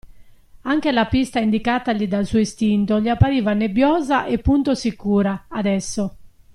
Anche la pista indicatagli dal suo istinto gli appariva nebbiosa e punto sicura, adesso.